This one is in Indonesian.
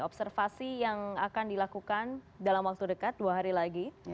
observasi yang akan dilakukan dalam waktu dekat dua hari lagi